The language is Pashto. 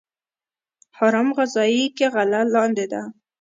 هرم غذایی کې غله لاندې ده.